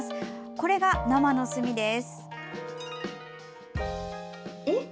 これが、生の墨です。